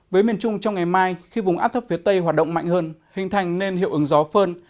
với miền trung trong ngày mai khi vùng áp thấp phía tây hoạt động mạnh hơn hình thành nên hiệu ứng gió phơn